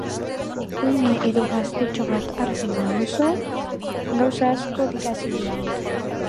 Ume edo gaztetxo bat hartzen baduzu, gauza asko dira zilegi.